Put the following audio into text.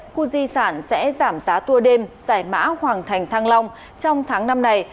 khu di sản sẽ giảm giá tour đêm giải mã hoàng thành thăng long trong tháng năm này